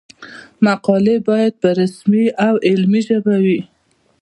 مقالې باید په رسمي او علمي ژبه وي.